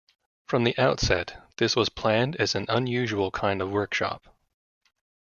From the outset, this was planned as an unusual kind of workshop.